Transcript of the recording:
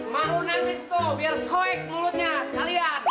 malu nanti tuh biar soek mulutnya sekalian